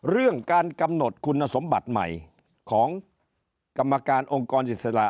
เรื่องการกำหนดคุณสมบัติใหม่ของกรรมการองค์กรอิสระ